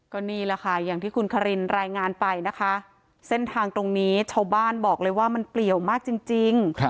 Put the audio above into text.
ก็นี่แหละค่ะอย่างที่คุณคารินรายงานไปนะคะเส้นทางตรงนี้ชาวบ้านบอกเลยว่ามันเปลี่ยวมากจริง